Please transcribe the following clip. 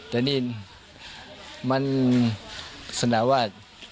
แต่นี่มันสนาว่า